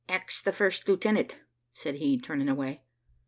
`Ax the first lieutenant,' said he turning away.